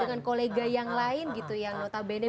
dengan kolega yang lain gitu yang notabene beda gender